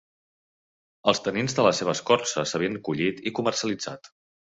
Els tanins de la seva escorça s'havien collit i comercialitzat.